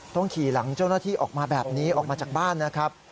ต้องขี่หลังเจ้าหน้าที่ออกมาแบบนี้ออกมาจากบ้านนะครับ